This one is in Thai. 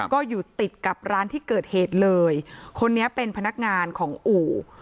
ก็อยู่ติดกับร้านที่เกิดเหตุเลยคนนี้เป็นพนักงานของอู่